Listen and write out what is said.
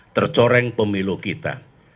tercoreng pemilu kita